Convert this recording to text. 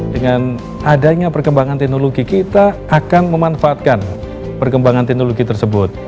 dengan adanya perkembangan teknologi kita akan memanfaatkan perkembangan teknologi tersebut